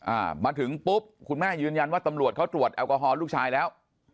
อ่ามาถึงปุ๊บคุณแม่ยืนยันว่าตำรวจเขาตรวจแอลกอฮอลลูกชายแล้ว